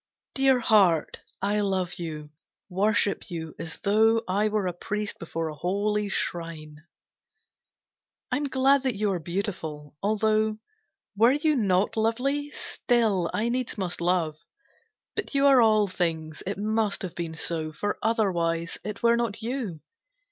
Dear Heart, I love you, worship you as though I were a priest before a holy shrine. I'm glad that you are beautiful, although Were you not lovely still I needs must love; But you are all things, it must have been so For otherwise it were not you.